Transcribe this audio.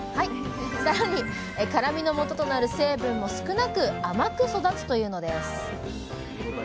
更に辛みのもととなる成分も少なく甘く育つというのです。